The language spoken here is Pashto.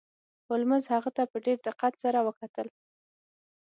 هولمز هغه ته په ډیر دقت سره وکتل.